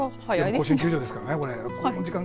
甲子園球場ですからね。